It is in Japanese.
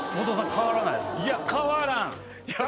変わらん。